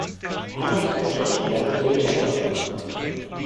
Herr Andersson möchte eine Anmerkung zur Geschäftsordnung machen.